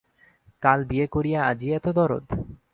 কাল বিয়ে করিয়া আজই এত দরদ!